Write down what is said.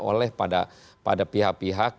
oleh pada pihak pihak